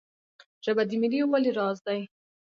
ژبه د ملي یووالي راز دی.